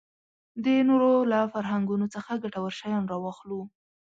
د نورو له فرهنګونو څخه ګټور شیان راواخلو.